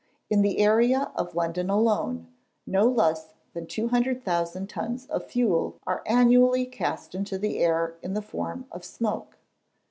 In the area of London alone, no less than 200,000 tons of fuel are annually cast into the air in the form of smoke.